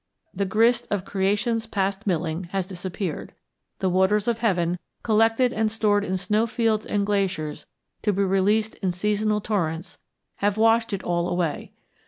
The grist of Creation's past milling has disappeared. The waters of heaven, collected and stored in snow fields and glaciers to be released in seasonal torrents, have washed it all away.